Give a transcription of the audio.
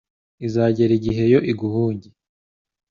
izagera igihe yo iguhunge.